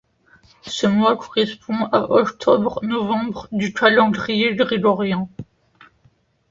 Ce mois correspond à octobre-novembre du calendrier grégorien.